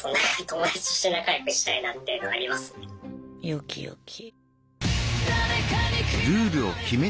よきよき。